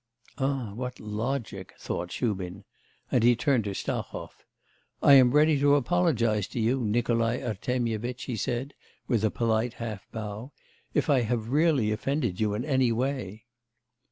'Ah, what logic!' thought Shubin, and he turned to Stahov. 'I am ready to apologise to you, Nikolai Artemyevitch,' he said with a polite half bow, 'if I have really offended you in any way.